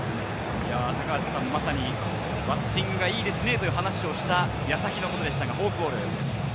まさにバッティングがいいですねという話をした矢先のことでしたが、フォークボール。